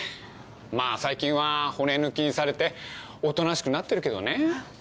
まあ最近は骨抜きにされておとなしくなってるけどね。